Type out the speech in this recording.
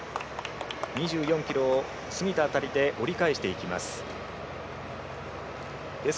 ２４ｋｍを過ぎた辺りで折り返していきます。